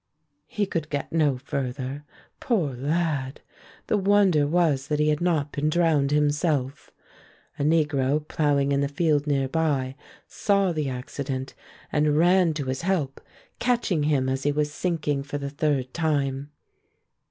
He could get no further. Poor lad! the wonder was that he had not been drowned himself. A negro ploughing in the field near by saw the accident and ran to his help, catching him as he was sinking for the third time.